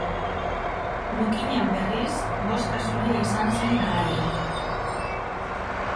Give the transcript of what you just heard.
Lukinen, berriz, bozka zuria izan zen garaile.